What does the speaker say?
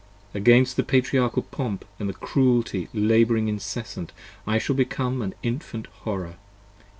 Against the Patriarchal pomp and cruelty labouring incessant 5 I shall become an Infant horror.